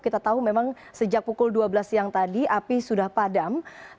kita tahu memang sejak pukul dua belas siang tadi api sudah padam